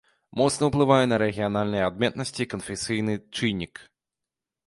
Моцна ўплывае на рэгіянальныя адметнасці канфесійны чыннік.